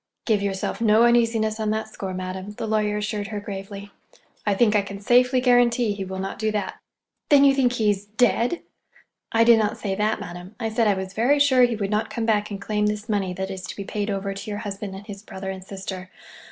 "Give yourself no uneasiness on that score, madam," the lawyer assured her gravely. "I think I can safely guarantee he will not do that." "Then you think he's—dead?" "I did not say that, madam. I said I was very sure he would not come back and claim this money that is to be paid over to your husband and his brother and sister.